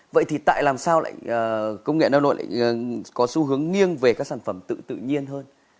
vậy thì tại làm sao công nghệ nam nội lại có xu hướng nghiêng về các sản phẩm tự nhiên hơn